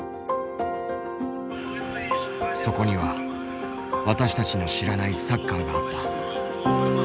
そこには私たちの知らないサッカーがあった。